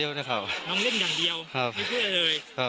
เพื่อนบ้านเจ้าหน้าที่อำรวจกู้ภัย